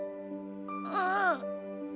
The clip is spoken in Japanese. うん。